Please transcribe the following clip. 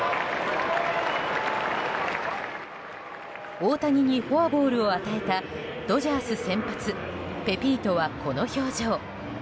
大谷にフォアボールを与えたドジャース先発ペピートはこの表情。